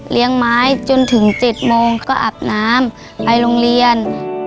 ไม้จนถึง๗โมงก็อาบน้ำไปโรงเรียน